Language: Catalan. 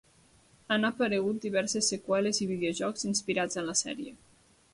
Han aparegut diverses seqüeles i videojocs inspirats en la sèrie.